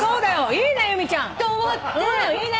いいね由美ちゃん。と思って。